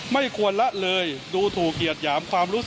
ไม่ควรละเลยดูถูกเกียรติหยามความรู้สึก